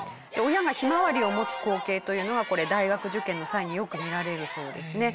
親がひまわりを持つ光景というのはこれ大学受験の際によく見られるそうですね。